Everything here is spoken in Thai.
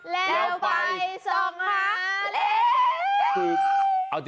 แล้วไปส่งหาเล่น